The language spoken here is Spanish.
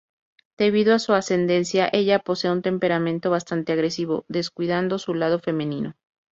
Debido a su ascendencia, ella posee un temperamento bastante agresivo, descuidando su lado femenino.